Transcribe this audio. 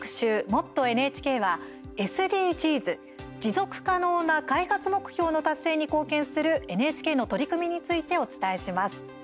「もっとＮＨＫ」はＳＤＧｓ、持続可能な開発目標の達成に貢献するＮＨＫの取り組みについてお伝えします。